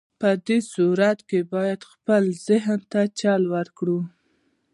په دې صورت کې بايد خپل ذهن ته چل ورکړئ.